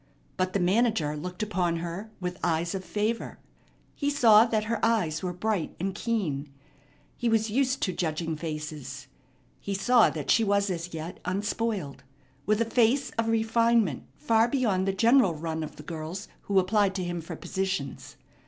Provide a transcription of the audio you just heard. But the manager looked upon her with eyes of favor. He saw that her eyes were bright and keen. He was used to judging faces. He saw that she was as yet unspoiled, with a face of refinement far beyond the general run of the girls who applied to him for positions.